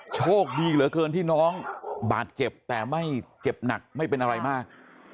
โชคดีเหลือเกินที่น้องบาดเจ็บแต่ไม่เจ็บหนักไม่เป็นอะไรมาก